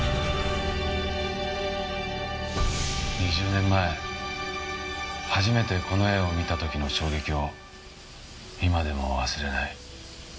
２０年前初めてこの絵を見た時の衝撃を今でも忘れない。